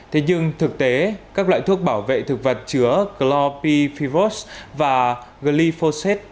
thế nhưng thực tế các loại thuốc bảo vệ thực vật chứa chlorpipirose và glyphosate